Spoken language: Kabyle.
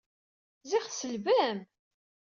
Ziɣ tselbem!